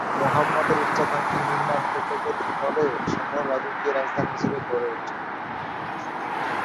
মুহাম্মদের উচ্চাকাঙ্ক্ষী নির্মাণ প্রকল্পের ফলে শহর রাজকীয় রাজধানী হিসেবে গড়ে উঠে।